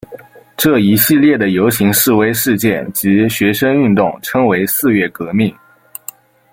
这一系列的游行示威事件及学生运动称为四月革命。